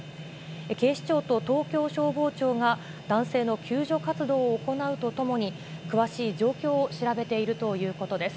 警視庁と東京消防庁が、男性の救助活動を行うとともに、詳しい状況を調べているということです。